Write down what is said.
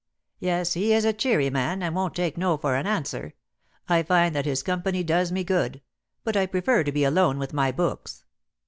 "Yes; he is a cheery man, and won't take no for an answer. I find that his company does me good, but I prefer to be alone with my books."